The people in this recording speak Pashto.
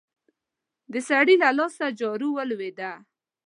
د سړي له لاسه جارو ولوېده.